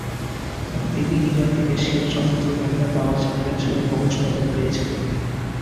তিনি ইরানে এশিয়ান স্বতন্ত্র মহিলা দাবা চ্যাম্পিয়নশিপে ব্রোঞ্জ পদক পেয়েছিলেন।